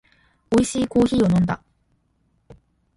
おいしいコーヒーを飲んだ